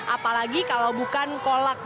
apalagi kalau bukan kolak